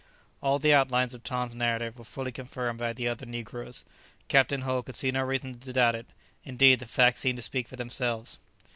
All the outlines of Tom's narrative were fully confirmed by the other negroes; Captain Hull could see no reason to doubt it; indeed, the facts seemed to speak for themselves.